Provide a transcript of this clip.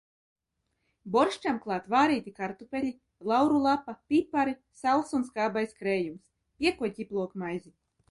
Borščam klāt vārīti kartupeļi, lauru lapa, pipari, sāls un skābais krējums. Piekod ķiplokmaizi.